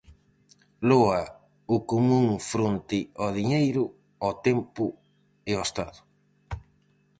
Loa o Común fronte ao Diñeiro, ao Tempo e ao Estado.